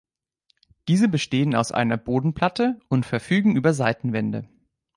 Diese bestehen aus einer Bodenplatte und verfügen über Seitenwände.